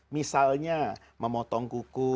misalnya memotong kuku